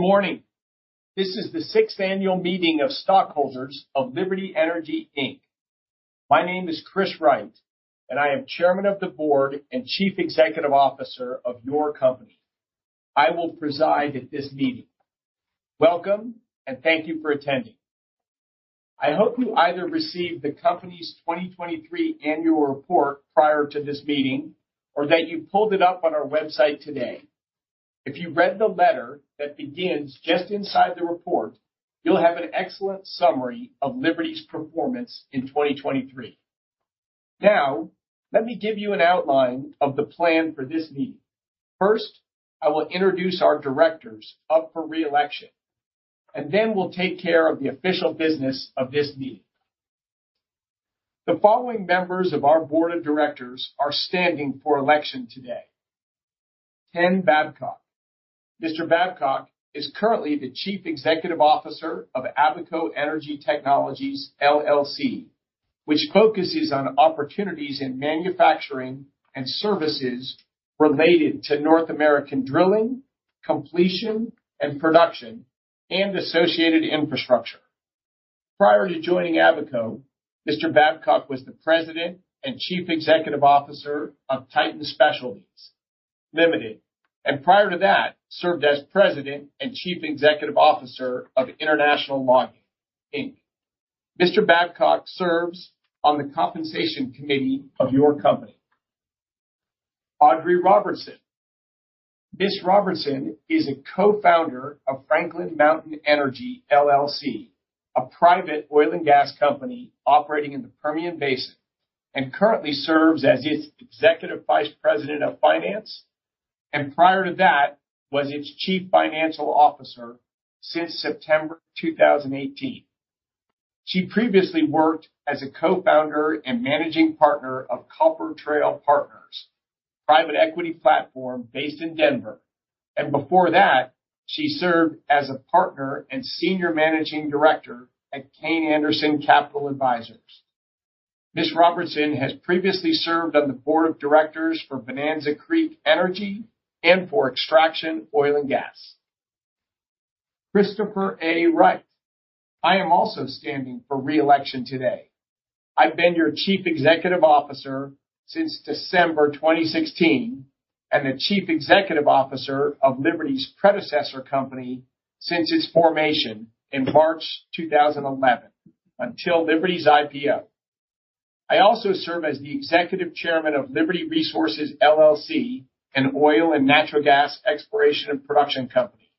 Good morning. This is the sixth annual meeting of stockholders of Liberty Energy, Inc. My name is Chris Wright, and I am Chairman of the Board and Chief Executive Officer of your company. I will preside at this meeting. Welcome, and thank you for attending. I hope you either received the company's 2023 annual report prior to this meeting, or that you pulled it up on our website today. If you read the letter that begins just inside the report, you'll have an excellent summary of Liberty's performance in 2023. Now, let me give you an outline of the plan for this meeting. First, I will introduce our directors up for reelection, and then we'll take care of the official business of this meeting. The following members of our board of directors are standing for election today: Ken Babcock. Mr. Bbcock is currently the Chief Executive Officer of Abaco Energy Technologies, LLC, which focuses on opportunities in manufacturing and services related to North American drilling, completion and production, and associated infrastructure. Prior to joining Abaco, Mr. Babcock was the President and Chief Executive Officer of Titan Specialties, Ltd., and prior to that served as President and Chief Executive Officer of International Logging, Inc. Mr. Babcock serves on the compensation committee of your company. Audrey Robertson. Ms. Robertson is a co-founder of Franklin Mountain Energy, LLC, a private oil and gas company operating in the Permian Basin, and currently serves as its Executive Vice President of Finance, and prior to that was its Chief Financial Officer since September 2018. She previously worked as a co-founder and managing partner of Copper Trail Partners, a private equity platform based in Denver, and before that she served as a partner and senior managing director at Kayne Anderson Capital Advisors. Ms. Robertson has previously served on the board of directors for Bonanza Creek Energy and for Extraction Oil and Gas. Christopher A. Wright. I am also standing for reelection today. I've been your Chief Executive Officer since December 2016 and the Chief Executive Officer of Liberty's predecessor company since its formation in March 2011 until Liberty's IPO. I also serve as the Executive Chairman of Liberty Resources, LLC, an oil and natural gas exploration and production company.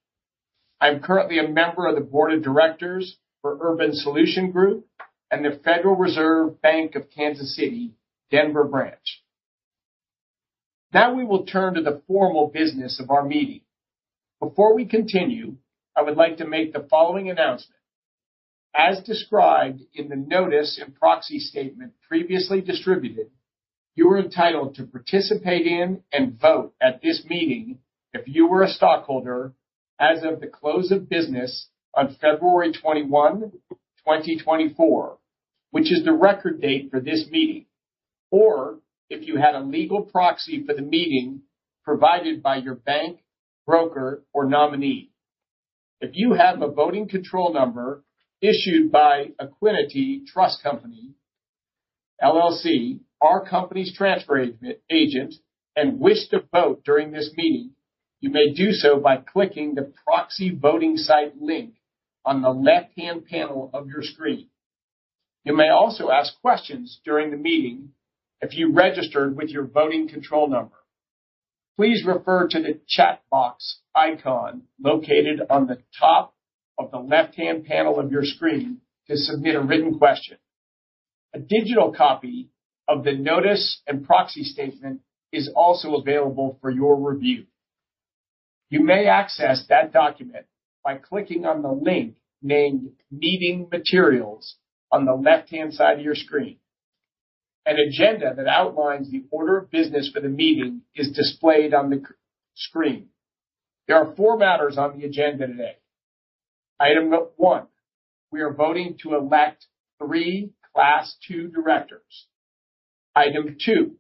I'm currently a member of the board of directors for Urban Solutions Group and the Federal Reserve Bank of Kansas City, Denver branch. Now we will turn to the formal business of our meeting. Before we continue, I would like to make the following announcement. As described in the notice and proxy statement previously distributed, you are entitled to participate in and vote at this meeting if you were a stockholder as of the close of business on February 21, 2024, which is the record date for this meeting, or if you had a legal proxy for the meeting provided by your bank, broker, or nominee. If you have a voting control number issued by Equiniti Trust Company, LLC, our company's transfer agent, and wish to vote during this meeting, you may do so by clicking the proxy voting site link on the left-hand panel of your screen. You may also ask questions during the meeting if you registered with your voting control number. Please refer to the chat box icon located on the top of the left-hand panel of your screen to submit a written question. A digital copy of the notice and proxy statement is also available for your review. You may access that document by clicking on the link named Meeting Materials on the left-hand side of your screen. An agenda that outlines the order of business for the meeting is displayed on the screen. There are 4 matters on the agenda today. Item 1: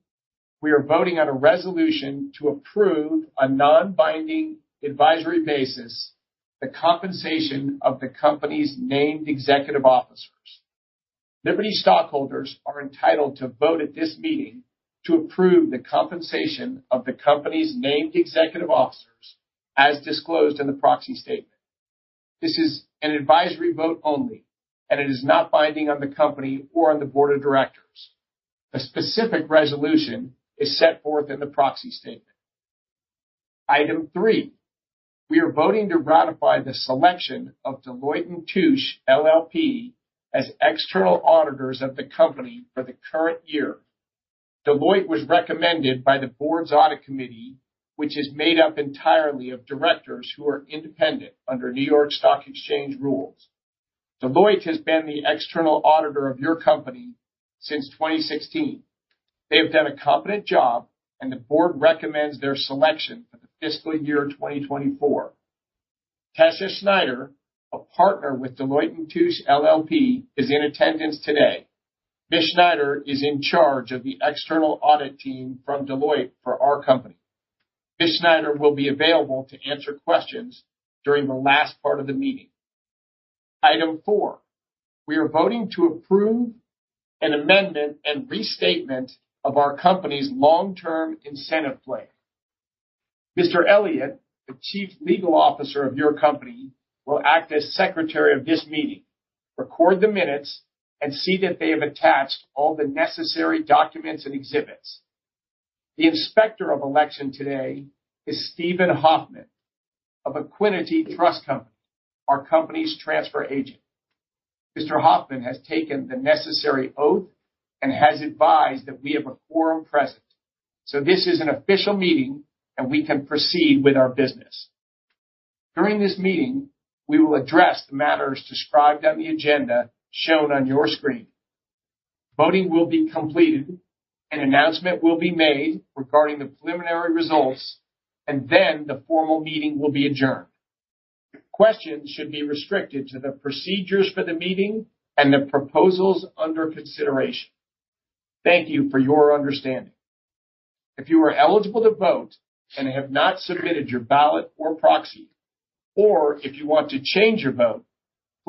we are voting to elect 3 Class Two directors. Item 2: we are voting on a resolution to approve a non-binding advisory basis the compensation of the company's named executive officers. Liberty stockholders are entitled to vote at this meeting to approve the compensation of the company's named executive officers as disclosed in the proxy statement. This is an advisory vote only, and it is not binding on the company or on the board of directors. A specific resolution is set forth in the proxy statement. Item three: we are voting to ratify the selection of Deloitte & Touche, LLP, as external auditors of the company for the current year. Deloitte was recommended by the board's audit committee, which is made up entirely of directors who are independent under New York Stock Exchange rules. Deloitte has been the external auditor of your company since 2016. They have done a competent job, and the board recommends their selection for the fiscal year 2024. Tessa Schneider, a partner with Deloitte & Touche, LLP, is in attendance today. Ms. Schneider is in charge of the external audit team from Deloitte for our company. Ms. Schneider will be available to answer questions during the last part of the meeting. Item Four: we are voting to approve an amendment and restatement of our company's Long-Term Incentive Plan. Mr. Elliott, the Chief Legal Officer of your company, will act as secretary of this meeting. Record the minutes and see that they have attached all the necessary documents and exhibits. The inspector of election today is Stephen Hoffman of Equiniti Trust Company, our company's transfer agent. Mr. Hoffman has taken the necessary oath and has advised that we have a quorum present, so this is an official meeting and we can proceed with our business. During this meeting, we will address the matters described on the agenda shown on your screen. Voting will be completed, an announcement will be made regarding the preliminary results, and then the formal meeting will be adjourned. Questions should be restricted to the procedures for the meeting and the proposals under consideration. Thank you for your understanding. If you are eligible to vote and have not submitted your ballot or proxy, or if you want to change your vote,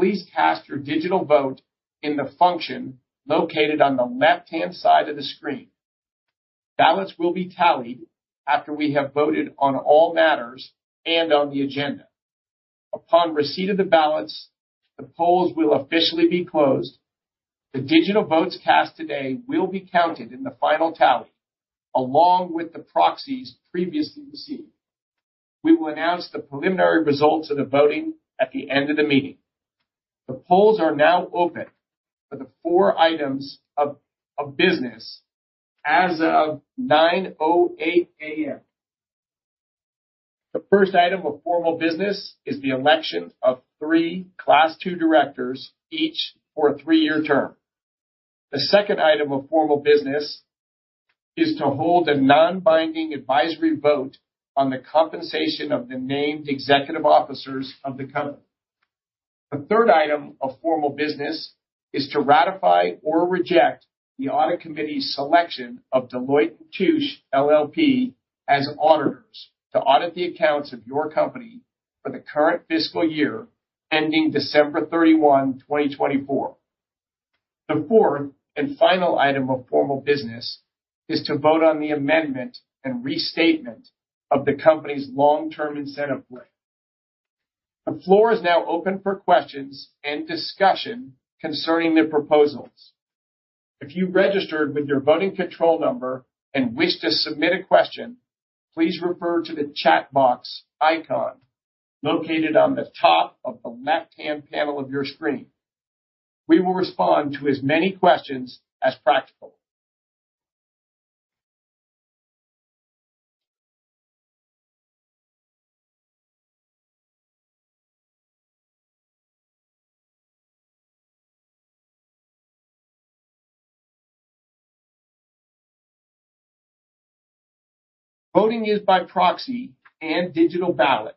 please cast your digital vote in the function located on the left-hand side of the screen. Ballots will be tallied after we have voted on all matters and on the agenda. Upon receipt of the ballots, the polls will officially be closed. The digital votes cast today will be counted in the final tally along with the proxies previously received. We will announce the preliminary results of the voting at the end of the meeting. The polls are now open for the four items of business as of 9:08 A.M. The first item of formal business is the election of three Class Two directors, each for a three-year term. The second item of formal business is to hold a non-binding advisory vote on the compensation of the named executive officers of the company. The third item of formal business is to ratify or reject the audit committee's selection of Deloitte & Touche, LLP, as auditors to audit the accounts of your company for the current fiscal year ending December 31, 2024. The fourth and final item of formal business is to vote on the amendment and restatement of the company's Long-Term Incentive Plan. The floor is now open for questions and discussion concerning the proposals. If you registered with your voting control number and wish to submit a question, please refer to the chat box icon located on the top of the left-hand panel of your screen. We will respond to as many questions as practical. Voting is by proxy and digital ballot.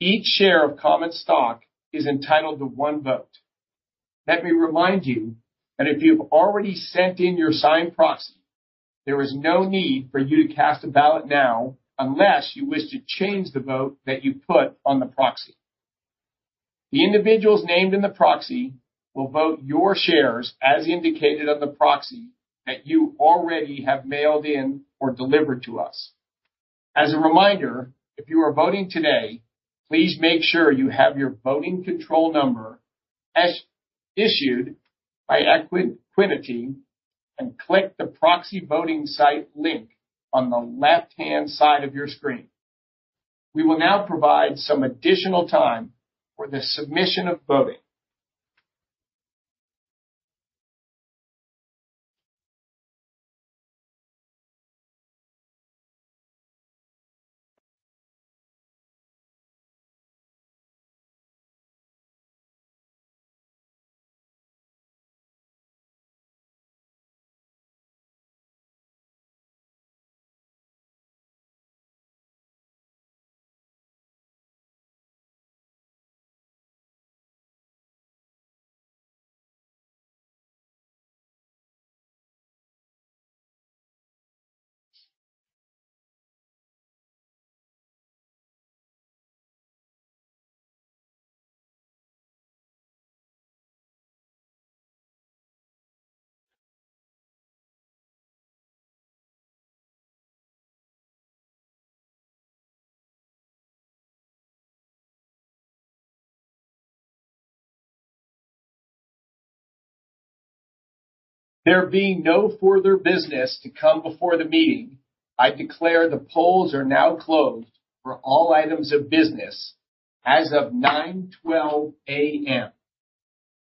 Each share of common stock is entitled to one vote. Let me remind you that if you have already sent in your signed proxy, there is no need for you to cast a ballot now unless you wish to change the vote that you put on the proxy. The individuals named in the proxy will vote your shares as indicated on the proxy that you already have mailed in or delivered to us. As a reminder, if you are voting today, please make sure you have your voting control number issued by Equiniti and click the proxy voting site link on the left-hand side of your screen. We will now provide some additional time for the submission of voting. There being no further business to come before the meeting, I declare the polls are now closed for all items of business as of 9:12 A.M.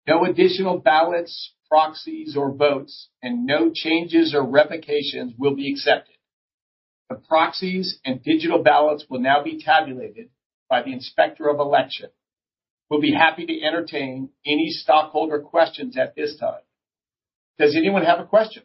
No additional ballots, proxies, or votes, and no changes or revocations will be accepted. The proxies and digital ballots will now be tabulated by the inspector of election. We'll be happy to entertain any stockholder questions at this time. Does anyone have a question?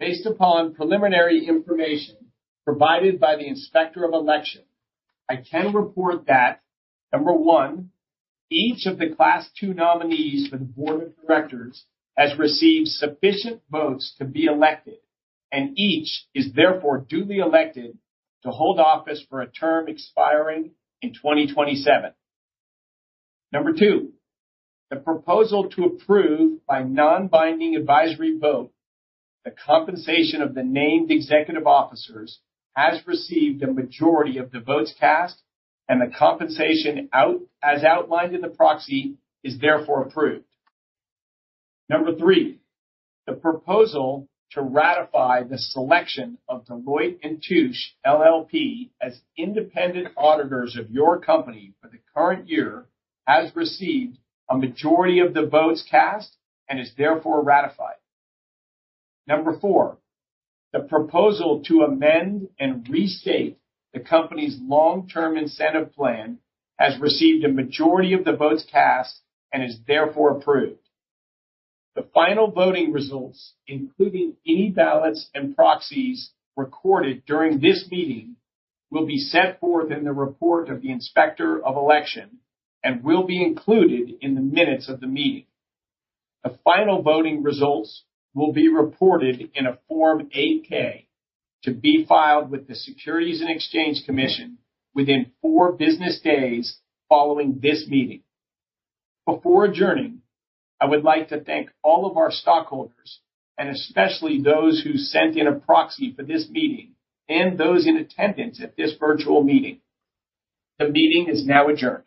Based upon preliminary information provided by the inspector of election, I can report that, 1, each of the Class Two nominees for the board of directors has received sufficient votes to be elected, and each is therefore duly elected to hold office for a term expiring in 2027. 2, the proposal to approve by non-binding advisory vote the compensation of the named executive officers has received a majority of the votes cast, and the compensation as outlined in the proxy is therefore approved. Number three, the proposal to ratify the selection of Deloitte & Touche, LLP, as independent auditors of your company for the current year has received a majority of the votes cast and is therefore ratified. Number four, the proposal to amend and restate the company's Long-Term Incentive Plan has received a majority of the votes cast and is therefore approved. The final voting results, including any ballots and proxies recorded during this meeting, will be set forth in the report of the inspector of election and will be included in the minutes of the meeting. The final voting results will be reported in a Form 8-K to be filed with the Securities and Exchange Commission within four business days following this meeting. Before adjourning, I would like to thank all of our stockholders, and especially those who sent in a proxy for this meeting and those in attendance at this virtual meeting. The meeting is now adjourned.